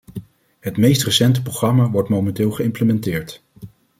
Het meest recente programma wordt momenteel geïmplementeerd.